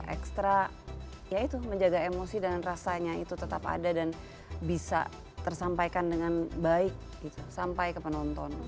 ekstra ya itu menjaga emosi dan rasanya itu tetap ada dan bisa tersampaikan dengan baik sampai ke penonton